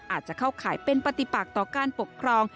อาจจะเข้าข่ายเป็นปฏิปักต่อการปกครอง